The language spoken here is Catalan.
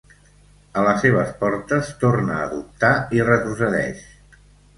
A les seves portes, torna a dubtar i retrocedeix.